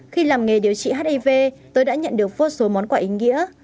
khi làm nghề điều trị hiv tôi đã nhận được vô số món quà ý nghĩa